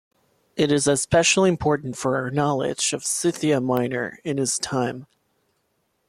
It is especially important for our knowledge of Scythia Minor in his time.